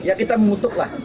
ya kita mengutuk lah